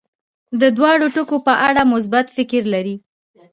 د دواړو ټکو په اړه مثبت فکر لري.